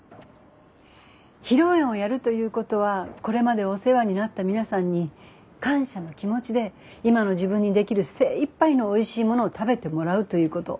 披露宴をやるということはこれまでお世話になった皆さんに感謝の気持ちで今の自分にできる精いっぱいのおいしいものを食べてもらうということ。